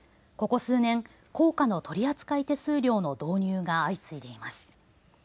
ここ数年、硬貨の取り扱い手数料の導入が相次いでいます。